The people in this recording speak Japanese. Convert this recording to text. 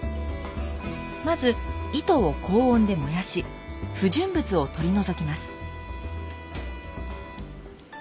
まず糸を高温で燃やし不純物を取り除きます。